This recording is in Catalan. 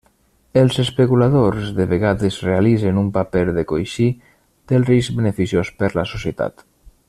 Els especuladors de vegades realitzen un paper de coixí del risc beneficiós per la societat.